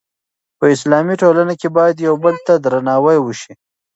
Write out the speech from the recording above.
په اسلامي ټولنه کې باید یو بل ته درناوی وشي.